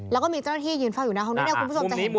แล้วก็มีเจ้าหน้าที่ยืนฟังอยู่ในห้องนี้แล้วคุณผู้ชมจะเห็นภาพ